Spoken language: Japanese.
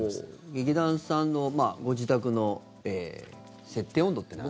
劇団さんのご自宅の設定温度というのは。